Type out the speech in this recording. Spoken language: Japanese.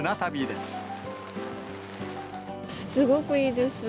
すごくいいです。